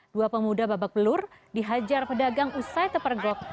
dua pemuda babak belur dihajar pedagang usai tepergok